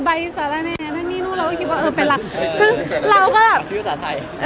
ใบซาลาเนนั่นนี่นู่นเราก็คิดว่าเออเป็นอะไรคือเราก็แบบชื่อสาธัย